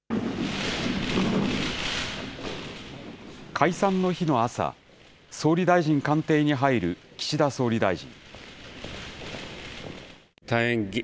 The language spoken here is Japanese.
解散の日の朝、総理大臣官邸に入る岸田総理大臣。